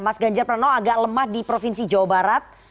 mas ganjar pranowo agak lemah di provinsi jawa barat